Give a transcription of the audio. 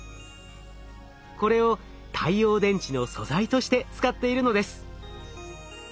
これを太陽電池の素材として使っているのです。